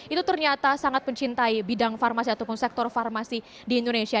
itu ternyata sangat mencintai bidang farmasi ataupun sektor farmasi di indonesia